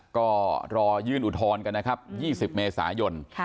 ก็รอยื่นอุทธรณ์กันนะครับ๒๐เมษายน